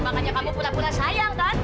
makanya kamu pura pura sayang kan